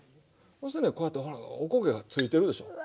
そしてねこうやってほらおこげが付いてるでしょう。